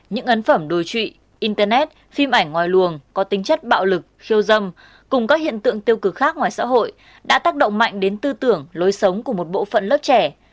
những ấn phẩm đồ trụy internet phim ảnh ngoài luồng có tính chất bạo lực khiêu dâm cùng các hiện tượng tiêu cực khác ngoài xã hội đã tác động mạnh đến tư tưởng lối sống của một bộ phận lớp trẻ